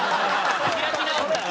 開き直ったら。